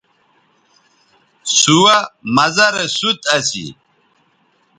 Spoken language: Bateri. سوہ مزہ رے سوت اسی